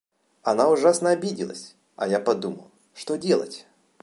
Она ужасно обиделась, а я подумал: что делать?